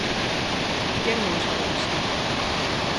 Quen non sabe disto?